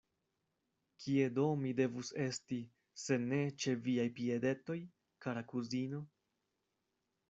Kie do mi devus esti, se ne ĉe viaj piedetoj, kara kuzino?